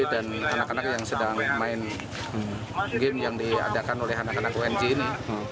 dan anak anak yang sedang main game yang diadakan oleh anak anak unj ini